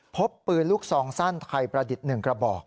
พบปืนลูกซองสั้นไทยประดิษฐ์๑กระบอก